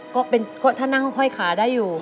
ก็ถ้านั่งค่อยขาได้อยู่